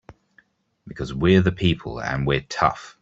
Because we're the people and we're tough!